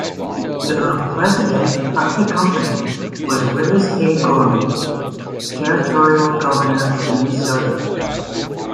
The president of the company was Willis A. Gorman, Territorial Governor of Minnesota.